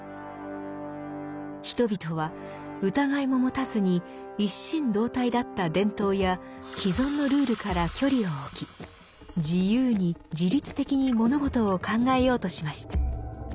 人々は疑いも持たずに一心同体だった伝統や既存のルールから距離を置き自由に自立的に物事を考えようとしました。